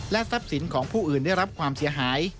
ทรัพย์สินของผู้อื่นได้รับความเสียหาย